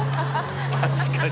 確かに。